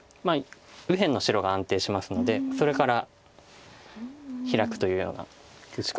右辺の白が安定しますのでそれからヒラくというような打ち方も。